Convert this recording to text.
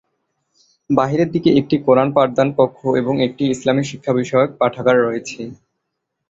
বাহিরের দিকে একটি কোরান পাঠদান কক্ষ এবং একটি ইসলামি শিক্ষা বিষয়ক পাঠাগার রয়েছে।